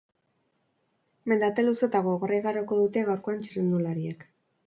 Mendate luze eta gogorra igaroko dute gaurkoan txirrindulariek.